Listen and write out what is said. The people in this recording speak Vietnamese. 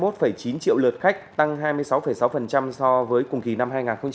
tăng hai mươi sáu chín triệu lượt khách tăng hai mươi sáu sáu so với cùng kỳ năm hai nghìn hai mươi hai